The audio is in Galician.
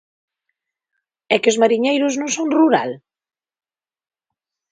¿É que os mariñeiros non son rural?